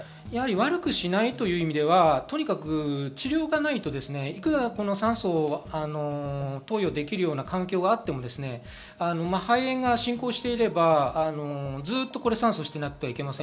悪くしないというところで、いくら酸素を投与できるような環境があっても肺炎が進行していればずっと酸素投与してなければいけません。